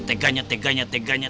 teganya teganya teganya